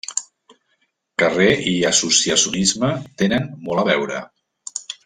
Carrer i associacionisme tenen molt a veure.